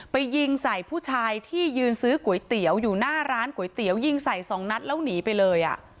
ยิงใส่ผู้ชายที่ยืนซื้อก๋วยเตี๋ยวอยู่หน้าร้านก๋วยเตี๋ยวยิงใส่สองนัดแล้วหนีไปเลย